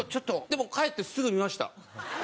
でも帰ってすぐ見ました。